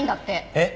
えっ？